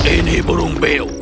ini burung beo